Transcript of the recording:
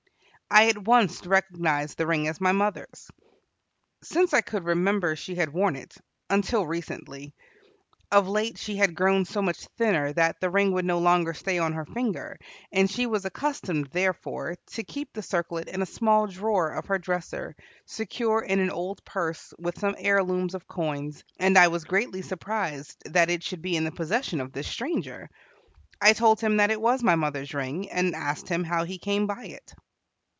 I at once recognized the ring as my mother's. Since I could remember she had worn it, until recently. Of late she had grown so much thinner that the ring would no longer stay on her finger, and she was accustomed, therefore, to keep the circlet in a small drawer of her dresser, secure in an old purse with some heirlooms of coins; and I was greatly surprised that it should be in the possession of this stranger. I told him that it was my mother's ring, and asked him how he came by it.